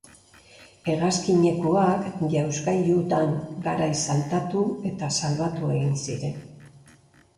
Hegazkinekoak jausgailutan garaiz saltatu eta salbatu egin ziren.